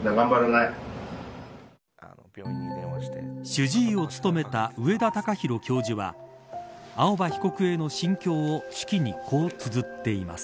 主治医を務めた上田敬博教授は青葉被告への心境を手記に、こうつづっています。